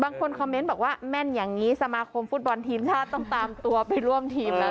บางคนคอมเมนต์บอกว่าแม่นอย่างนี้สมาคมฟุตบอลทีมชาติต้องตามตัวไปร่วมทีมแล้ว